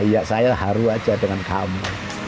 iya saya haru aja dengan kamu